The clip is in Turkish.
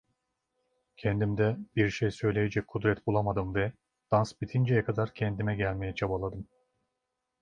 Kendimde bir şey söyleyecek kudret bulamadım ve dans bitinceye kadar kendime gelmeye çabaladım.